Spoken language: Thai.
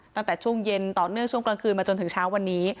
ตั้งแต่ช่วงเย็นต่อเนื่องช่วงกลางคืนมาจนถึงเช้าวันนี้